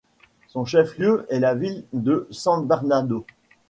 Son chef-lieu est la ville de San Bernardo.